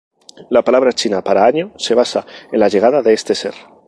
La palabra china para "año" se basa en la llegada de este ser.